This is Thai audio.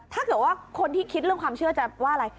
ถ้าเกิดว่าคนที่คิดเรื่องความเชื่อจะว่าอะไร